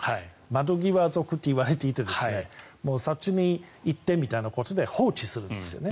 窓際族って言われていてそっちに行ってみたいなことで放置するんです。